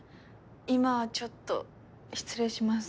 今はちょっと失礼します。